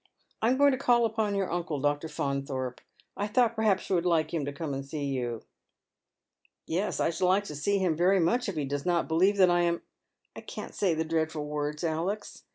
I am going to call upon your uncle, Dr. Faunthorpe. I thought perhaps you would like him to come and see you." " Yes, I should like to see him very much, if he does not believe that I am 1 can't say the dreadful words, Alex.